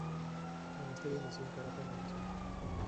Monasterio nació en Caracas, Venezuela.